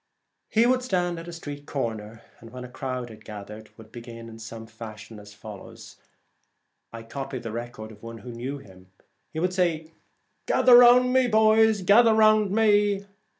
He would stand at a street corner, and when a crowd had gathered would begin in some such fashion 8l G The as follows (I copy the record of one who Celtic v r/ Twilight, knew him) —' Gather round me, boys, gather round me.